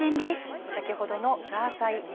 先ほどのザーサイ